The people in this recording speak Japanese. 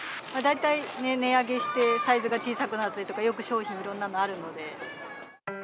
大体値上げしてサイズが小さくなったりとか、よく商品、いろんなのあるので。